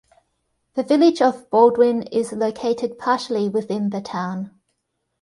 The Village of Baldwin is located partially within the town.